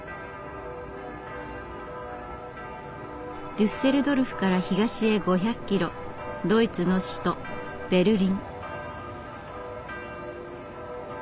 デュッセルドルフから東へ５００キロドイツの首都ベルリン。